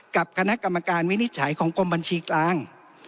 กับคณะกรรมการวินิจฉัยของกรมบัญชีกลาง